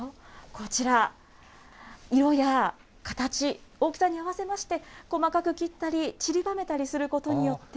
こちら、色や形、大きさに合わせまして、細かく切ったり、ちりばめたりすることによって。